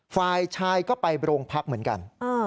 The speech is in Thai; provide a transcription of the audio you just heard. ฝ่ายชายก็ไปโรงพักเหมือนกัน